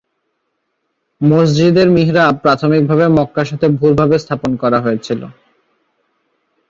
মসজিদের মিহরাব প্রাথমিকভাবে মক্কার সাথে ভুলভাবে স্থাপন করা হয়েছিল।